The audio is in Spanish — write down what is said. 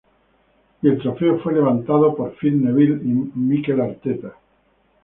Y el trofeo fue levantado por Phil Neville y Mikel Arteta.